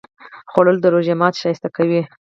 خوړل د روژه ماتی ښایسته کوي